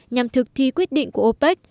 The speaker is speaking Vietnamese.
nhằm thực thi quyết định của opec